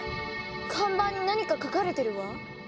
看板に何か書かれてるわ。